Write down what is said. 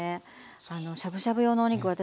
しゃぶしゃぶ用のお肉私